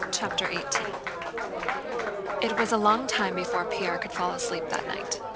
CHAPTER XVIII It was a long time before Pierre could fall asleep that night.